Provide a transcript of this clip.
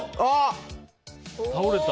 倒れた。